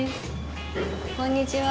こんにちは。